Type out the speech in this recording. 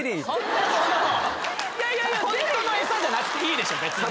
ホントの餌じゃなくていいでしょ別に。